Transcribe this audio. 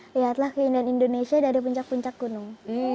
lihatlah keindahan indonesia dari puncak puncak gunung